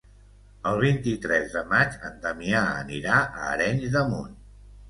El vint-i-tres de maig en Damià anirà a Arenys de Munt.